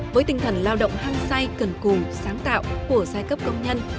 với tinh thần lao động hăng say cần cù sáng tạo của giai cấp công nhân